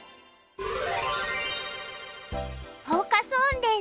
フォーカス・オンです。